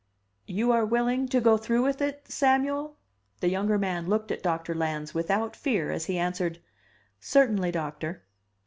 "YOU ARE WILLING TO GO THROUGH WITH IT, SAMUEL?" The younger man looked at Doctor Lans without fear as he answered, "Certainly, Doctor."